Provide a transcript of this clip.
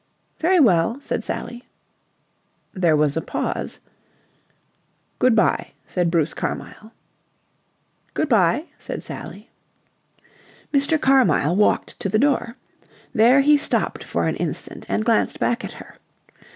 "Very well," said Sally. There was a pause. "Good bye," said Bruce Carmyle. "Good bye," said Sally. Mr. Carmyle walked to the door. There he stopped for an instant and glanced back at her.